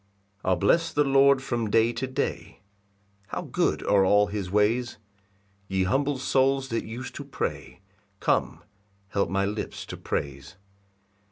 1 I'll bless the Lord from day to day; How good are all his ways! Ye humble souls that use to pray, Come, help my lips to praise.